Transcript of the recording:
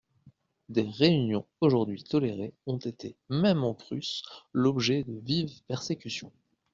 Des réunions aujourd'hui tolérées ont été, même en Prusse, l'objet de vives persécutions.